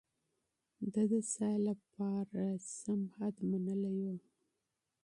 ده د تفريح مناسب حد منلی و.